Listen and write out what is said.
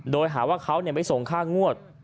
โดยหาว่าเขาไม่ส่งค่างวด